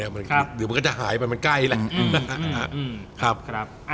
เดี๋ยวมันก็จะหายไปมันใกล้แหละ